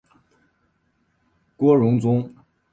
郭荣宗。